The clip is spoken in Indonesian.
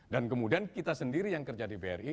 dan kemudian kita sendiri yang kerja di bri